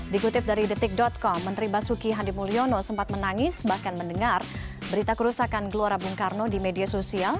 dikutip dari detik com menteri basuki hadi mulyono sempat menangis bahkan mendengar berita kerusakan gelora bung karno di media sosial